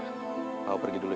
kau pergi dulu ya